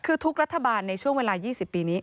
คือทุกรัฐบาลในช่วงเวลา๒๐ปีนี้